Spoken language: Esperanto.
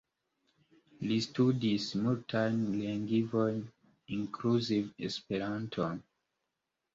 Li studis multajn lingvojn, inkluzive Esperanton.